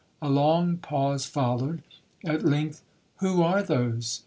A long pause followed. At length,—'Who are those?'